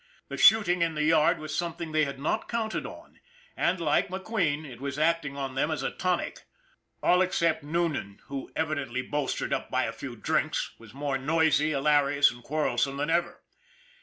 The shooting in the yard was something they had not counted on and, like McQueen, it was acting on them as a tonic. All except Noonan who, evidently bolstered up with a few 288 ON THE IRON AT BIG CLOUD drinks, was more noisy, hilarious and quarrelsome than ever.